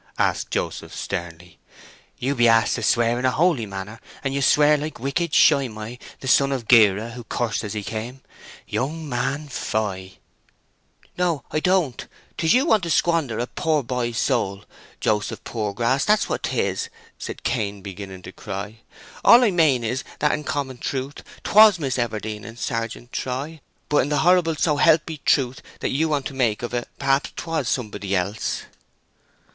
asked Joseph sternly. "You be asked to swear in a holy manner, and you swear like wicked Shimei, the son of Gera, who cursed as he came. Young man, fie!" "No, I don't! 'Tis you want to squander a pore boy's soul, Joseph Poorgrass—that's what 'tis!" said Cain, beginning to cry. "All I mane is that in common truth 'twas Miss Everdene and Sergeant Troy, but in the horrible so help me truth that ye want to make of it perhaps 'twas somebody else!"